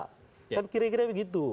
kan kira kira begitu